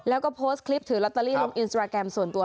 แล้วก็โพสต์คลิปถือลอตเตอรี่ลงอินสตราแกรมส่วนตัว